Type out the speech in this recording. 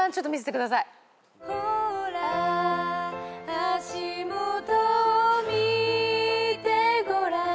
「足元を見てごらん」